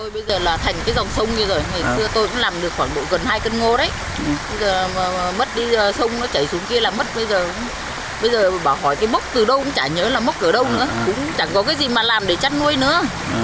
bây giờ bà hỏi cái mốc từ đâu cũng chả nhớ là mốc ở đâu nữa cũng chẳng có cái gì mà làm để chắt nuôi nữa